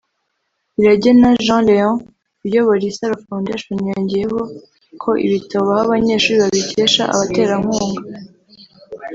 Iragena Jean Léon uyobora Isaro foundation yongeyeho ko ibitabo baha abanyeshuri babikesha abaterankunga